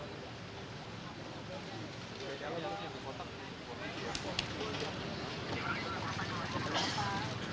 apa tetap ini teh someone pernah mohon sejahtera tentara yang kuningilakan horse jadi mungkin seorang amat ada yang muda